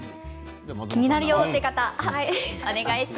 気になるという方は？